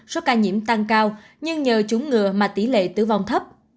số ca nhiễm tăng cao nhưng nhờ chúng ngừa mà tỷ lệ tử vong thấp